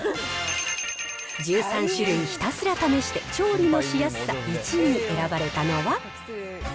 １３種類ひたすら試して調理のしやすさ１位に選ばれたのは。